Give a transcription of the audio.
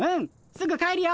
すぐ帰るよ。